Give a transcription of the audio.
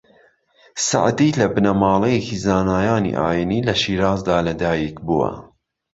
سەعدی لە بنەماڵەیەکی زانایانی ئایینی لە شیرازدا لە دایک بووە